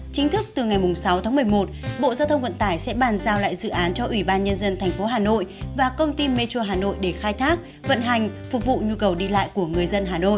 chính thức từ ngày sáu tháng một mươi một bộ giao thông vận tải sẽ bàn giao lại dự án cho ủy ban nhân dân tp hà nội và công ty metro hà nội để khai thác vận hành phục vụ nhu cầu đi lại của người dân hà nội